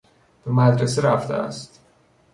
به مدرسه رفته است.